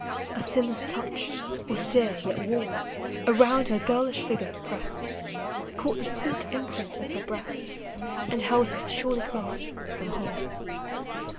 A sinless touch, austere yet warm, Around her girlish figure pressed, Caught the sweet imprint of her breast, And held her, surely clasped, from harm.